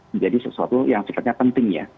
menjadi sesuatu yang sifatnya penting ya